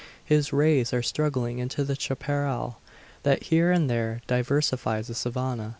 His rays are struggling into the chapparal, that here and there diversifies the savanna.